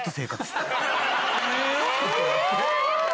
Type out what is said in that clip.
すごーい！